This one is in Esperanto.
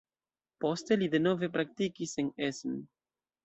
Poste li denove praktikis en Essen.